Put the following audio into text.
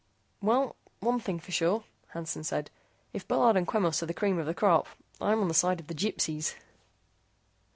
"Well, one thing for sure," Hansen said, "if Bullard and Quemos are the cream of the crop, I'm on the side of the Gypsies."